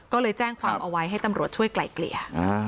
ก็เลยแจ้งความเอาไว้ให้ตำรวจช่วยไกลเกลี่ย